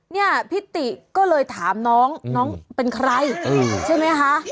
เนี่ยพี่ติก็เลยถามน้องน้องเป็นใครใช่ไหมคะ